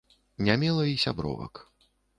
Не мела і сябровак.